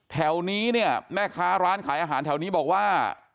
แถวนี้เนี่ยแม่ค้าร้านขายอาหารแถวนี้บอกว่า